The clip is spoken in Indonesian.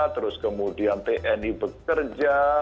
terus kemudian tni bekerja